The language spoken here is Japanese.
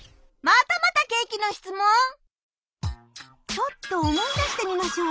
ちょっと思い出してみましょう。